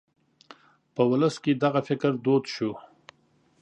په ولس کې دغه فکر دود شو.